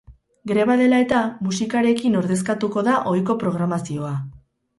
Greba dela eta, musikarekin ordezkatuko da ohiko programazioa.